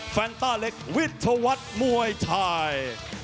ฟันตาเล็กวิธวัฒน์มวยไทย